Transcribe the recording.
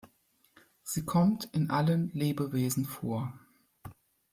Sie kommt in allen Lebewesen vor.